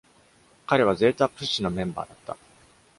彼はゼータ・プシのメンバーだった。